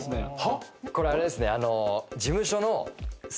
これあれですね。